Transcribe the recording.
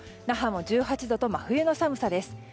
那覇も１８度と真冬の寒さです。